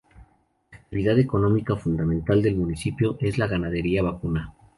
Actividad económica fundamental del municipio es la ganadería vacuna.